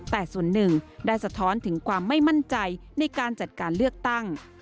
แต่ส่วนหนึ่งได้สะท้อนถึงความไม่มั่นใจในการจัดการเลือกตั้ง